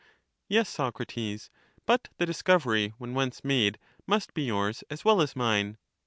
Yes, Socrates, but the discovery, when once made, must be yours as well as mine.